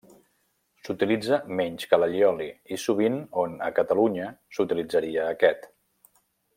S'utilitza menys que l'allioli, i sovint on, a Catalunya, s'utilitzaria aquest.